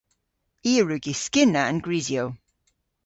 I a wrug yskynna an grisyow.